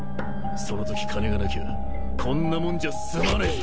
そのとき金がなきゃこんなもんじゃすまねえぞ。